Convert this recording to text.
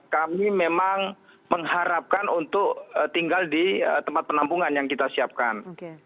kami memang mengharapkan untuk tinggal di tempat penampungan yang kita siapkan